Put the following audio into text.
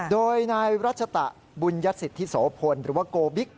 โดยนายรัชตะบุญยสิทธิโสพลหรือว่าโกบิ๊ก